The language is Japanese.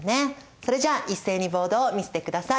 それじゃあ一斉にボードを見せてください！